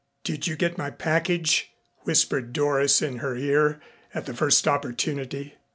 "Did you get my package?" whispered Doris in her ear, at the first opportunity.